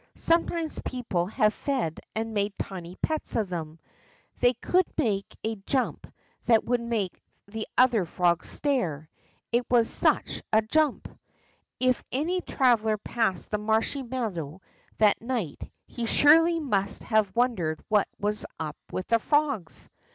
Sometimes people have fed and made tiny pets of them. They could make a jump that would make other frogs stare, it was such a jump. If any traveller passed the marshy meadow that night, he surely must have wondered what was up with the frogs.